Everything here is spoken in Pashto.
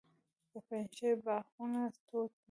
د پنجشیر باغونه توت لري.